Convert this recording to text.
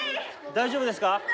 大丈夫ですか？